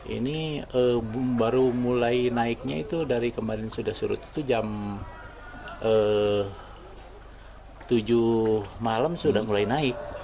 ini baru mulai naiknya itu dari kemarin sudah surut itu jam tujuh malam sudah mulai naik